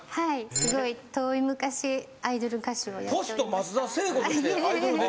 すごい遠い昔アイドル歌手をやっておりました。